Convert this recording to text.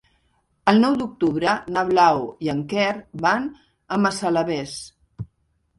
El nou d'octubre na Blau i en Quer van a Massalavés.